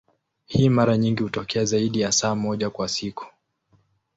Hii mara nyingi hutokea zaidi ya saa moja kwa siku.